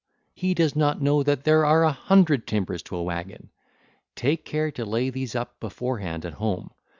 He does not know that there are a hundred timbers to a waggon. Take care to lay these up beforehand at home.